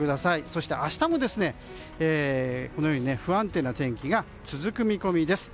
そして明日もこのように不安定な天気が続く見込みです。